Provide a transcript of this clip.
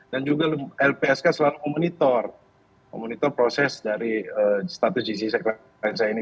dan juga lpsk selalu memonitor proses dari status jc klien saya ini